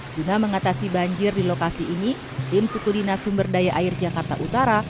guna mengatasi banjir di lokasi ini tim suku dinas sumber daya air jakarta utara